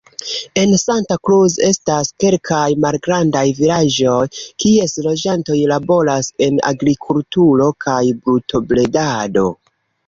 En Santa Cruz estas kelkaj malgrandaj vilaĝoj, kies loĝantoj laboras en agrikulturo kaj brutobredado.